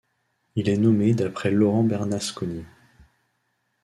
Il est nommé d'après Laurent Bernasconi.